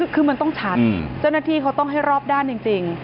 คือมันต้องชัดเจ้าหน้าที่เขาต้องให้รอบด้านจริง